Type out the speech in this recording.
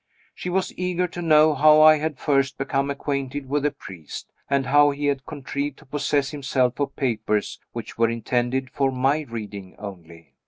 She was eager to know how I had first become acquainted with the priest, and how he had contrived to possess himself of papers which were intended for my reading only.